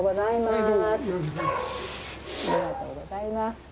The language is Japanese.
ありがとうございます。